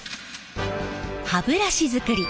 歯ブラシづくり